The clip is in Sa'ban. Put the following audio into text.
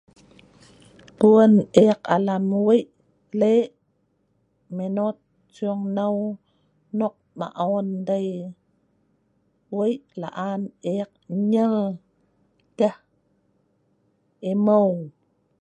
Puun eek alam wei le' minot sungnou nok maon dei. Wei laan ek nyel deh emeu.